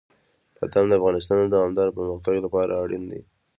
بادام د افغانستان د دوامداره پرمختګ لپاره اړین دي.